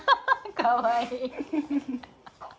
かわいい。